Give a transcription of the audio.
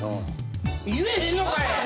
言えへんのかい！